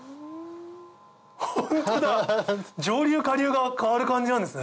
ホントだ上流下流が変わる感じなんですね。